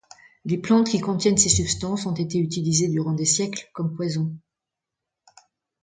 Les plantes qui contiennent ces substances ont été utilisées durant des siècles comme poisons.